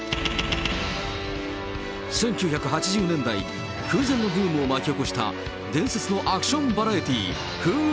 １９８０年代、空前のブームを巻き起こした、伝説のアクションバラエティー、風雲！